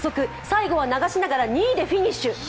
最後は流しながら２位でフィニッシュ。